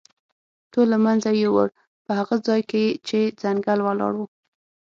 ټول له منځه یووړ، په هغه ځای کې چې ځنګل ولاړ و.